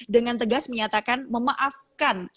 dengan tegas menyatakan memaafkan